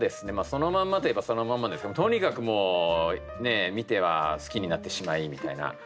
そのまんまと言えばそのまんまですけどとにかくもう見ては好きになってしまいみたいな。